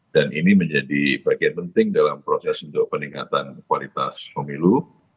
dan ini menjadi bagian penting dalam proses untuk peningkatan kualitas pemilu